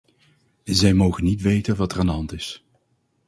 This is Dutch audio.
Zij mogen niet weten wat er aan de hand is.